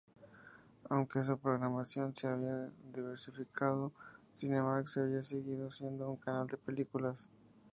Aunque su programación se había diversificado, Cinemax había seguido siendo un canal de películas.